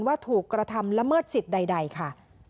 ว่าถูกกระทำละเมิดสิทธิ์ใดค่ะ